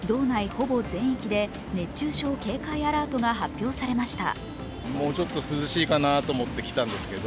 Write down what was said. ほぼ全域で熱中症警戒アラートが発表されました。